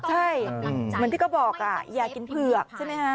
เจ้าอยากให้ยากกินเผื่อก